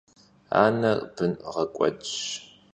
Aner bın ğek'uedş.